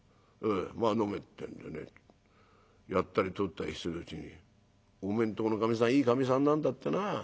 『まあ飲め』ってんでねやったりとったりするうちに『おめえんとこのかみさんいいかみさんなんだってなあ。